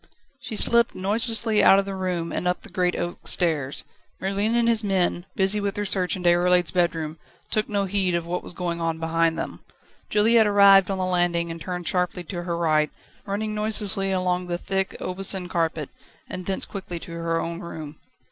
She slipped noiselessly out of the room and up the great oak stairs. Merlin and his men, busy with their search in Déroulède's bedroom, took no heed of what was going on behind them; Juliette arrived on the landing, and turned sharply to her right, running noiselessly along the thick Aubusson carpet, and thence quickly to her own room.